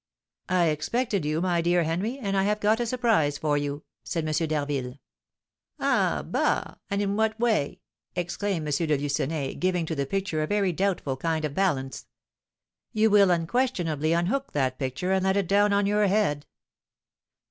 "I expected you, my dear Henry; and I have got up a surprise for you," said M. d'Harville. "Ah, bah! and in what way?" exclaimed M. de Lucenay, giving to the picture a very doubtful kind of balance. "You will unquestionably unhook that picture, and let it down on your head."